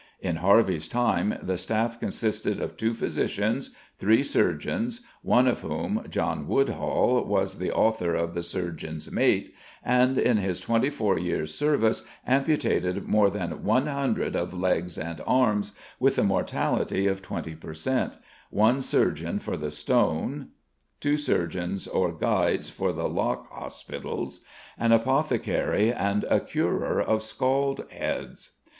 In Harvey's time the staff consisted of two physicians, three surgeons, one of whom, John Woodhall, was the author of the "Surgeon's Mate," and in his twenty four years' service amputated "many more than 100 of legges and armes," with a mortality of 20 per cent., one surgeon for the stone, two surgeons or "guides" for the lock hospitals, an apothecary, and "a curer of scald heads."